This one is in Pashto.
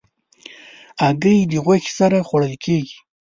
هګۍ د غوښې سره خوړل کېږي.